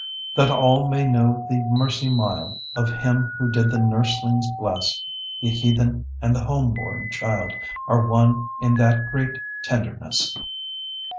That all may know the mercy mild Of Him who did the nurselings bless: The heathen and the homeborn child Are one in that great tenderness.